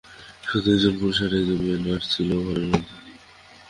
শুধু একজন পুরুষ আর একজন মেয়ে নার্স ছিল ঘরের মধ্যে।